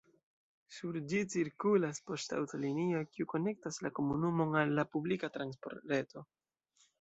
Sur ĝi cirkulas poŝtaŭtolinio, kiu konektas la komunumon al la publika transportreto.